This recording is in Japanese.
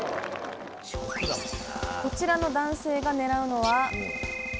こちらの男性が狙うのは。